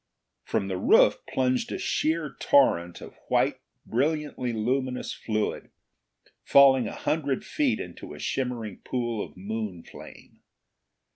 From the roof plunged a sheer torrent of white brilliantly luminous fluid, falling a hundred feet into a shimmering pool of moon flame.